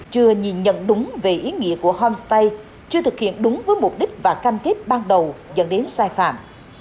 chưa nhìn nhận đúng về ý nghĩa của homestay chưa thực hiện đúng với mục đích và canh kết ban đầu dẫn đến sai phạm